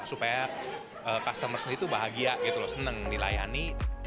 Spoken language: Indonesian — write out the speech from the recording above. supaya customer sendiri tuh bahagia gitu loh seneng dilayani